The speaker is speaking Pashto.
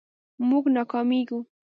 مونږ ناکامیږو